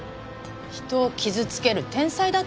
人を傷つける天才だったもん